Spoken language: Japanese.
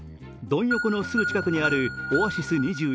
ドン横のすぐ近くにあるオアシス２１。